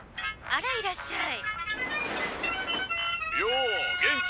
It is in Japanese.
「あらいらっしゃい」。